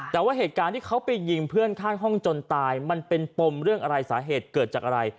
แต่ว่าเหตุการณ์ที่เขาไปยิงเพื่อนข้างห้องจนตายมันเป็นปมเรื่องอะไรสาเหตุเกิดจากอะไร